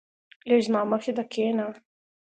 لږ زما مخی ته کينه